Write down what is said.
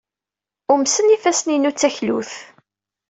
Umsen yifassen-inu d taklut.